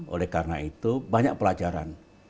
oleh karena itu banyak pelajaran